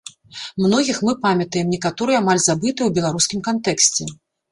Многіх мы памятаем, некаторыя амаль забытыя ў беларускім кантэксце.